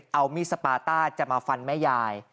เอามีดสปาต้าจะมาฟันแม่ยาย